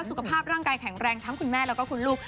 สุขภาพร่างกายแข็งแรงทั้งคุณแม่แล้วก็คุณลูก